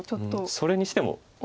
それにしても。